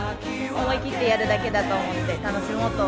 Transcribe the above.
思い切りやるだけだと思うので楽しもうと。